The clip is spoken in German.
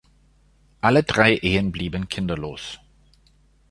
Alle drei Ehen blieben kinderlos.